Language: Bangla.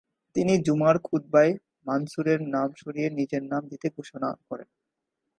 তিনি জুমার খুতবায় মানসুরের নাম সরিয়ে নিজের নাম দিতে ঘোষণা করেন।